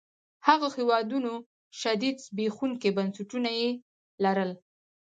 هغو هېوادونو شدید زبېښونکي بنسټونه يې لرل.